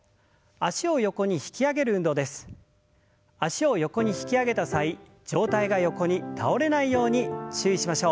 脚を横に引き上げた際上体が横に倒れないように注意しましょう。